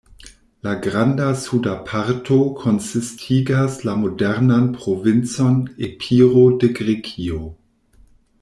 La granda suda parto konsistigas la modernan provincon Epiro de Grekio.